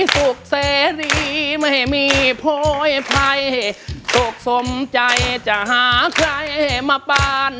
สุขเสรีไม่มีโพยภัยสุขสมใจจะหาใครมาปาน